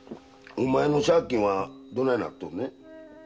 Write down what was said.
お前の借金はどないなっとんねん？